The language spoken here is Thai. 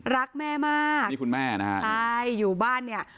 รักแม่มากนี่คุณแม่นะฮะใช่อยู่บ้านเนี่ย